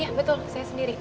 iya betul saya sendiri